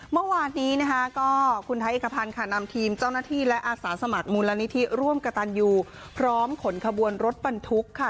เมื่อวานนี้นะคะก็คุณไทยเอกพันธ์ค่ะนำทีมเจ้าหน้าที่และอาสาสมัครมูลนิธิร่วมกระตันยูพร้อมขนขบวนรถบรรทุกค่ะ